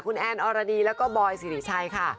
คุณแอนอรดีแล้วก็บอยสิริชัยค่ะ